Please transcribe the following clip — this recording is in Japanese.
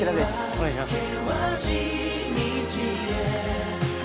お願いします。